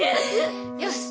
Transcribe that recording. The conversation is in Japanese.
よし。